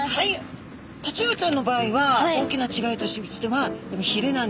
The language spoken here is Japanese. タチウオちゃんの場合は大きな違いとしてはひれなんですね。